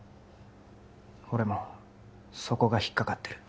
俺もそこが引っかかってる